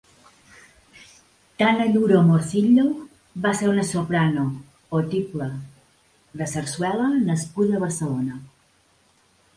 Tana Lluró Morcillo va ser una soprano o tiple de sarsuela nascuda a Barcelona.